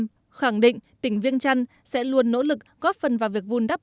đồng chí trần quốc vượng khẳng định tỉnh viêng trăn sẽ luôn nỗ lực góp phần vào việc vun đắp